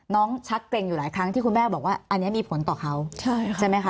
ชักเกร็งอยู่หลายครั้งที่คุณแม่บอกว่าอันนี้มีผลต่อเขาใช่ไหมคะ